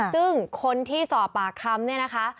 ซึ่งคนที่สอบปากคำเนี่ยนะคะ